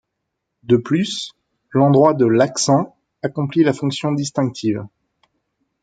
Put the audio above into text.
De plus, l’endroit de l’accent accomplit la fonction distinctive.